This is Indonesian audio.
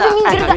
ini minggir gak